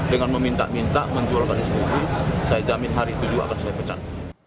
dengan meminta minca menjualkan institusi saya jamin hari itu juga akan saya pecat